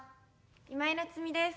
今井菜津美です。